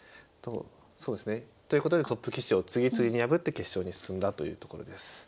そうですねということでトップ棋士を次々に破って決勝に進んだというところです。